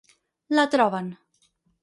La troben.